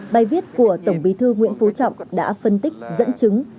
bài viết của tổng bí thư nguyễn phú trọng đã phân tích dẫn chứng